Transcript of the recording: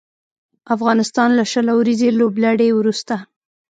افغانستان له شل اوريزې لوبلړۍ وروسته